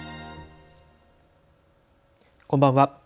こんばんは。